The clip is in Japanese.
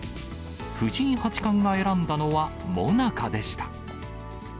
藤井八冠が選んだのは、もなかでした。